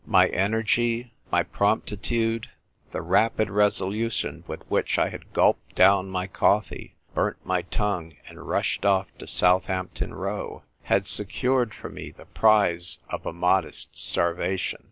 My energy, my promptitude, the rapid resolution with which I had gulped down my coffee, burnt my tongue, and rushed off to Southampton Row, had se cured for me the prize of a modest starvation.